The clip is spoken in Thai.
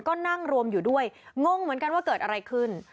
ก็นั่งรวมอยู่ด้วยงงเหมือนกันว่าเกิดอะไรขึ้น